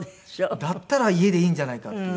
だったら家でいいんじゃないかっていう。